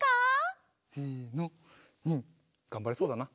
がんばれそうだな。